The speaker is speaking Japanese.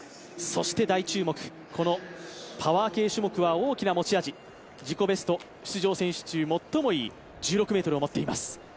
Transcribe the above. そして大注目、パワー系種目は大きな持ち味自己ベスト、出場選手中最もいい１６ｍを持っています。